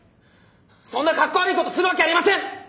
そんなかっこ悪いことするわけありません！